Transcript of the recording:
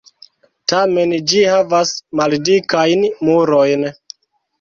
Tamen ĝi havas maldikajn murojn.